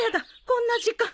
こんな時間。